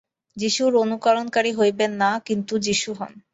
যীশুর অনুকরণকারী হইবেন না, কিন্তু যীশু হউন।